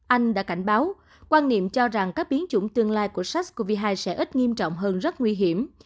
anh đã cảnh báo quan niệm cho rằng các biến chủng tương lai của sars cov hai sẽ ít nghiêm trọng hơn rất nguy hiểm